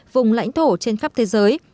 vùng lãnh thổ trên khắp thế giới